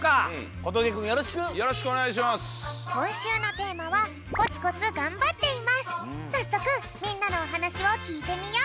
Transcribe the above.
こんしゅうのテーマはさっそくみんなのおはなしをきいてみよう。